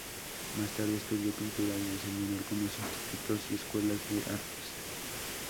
Más tarde estudió pintura y enseñó en algunos institutos y escuelas de artes.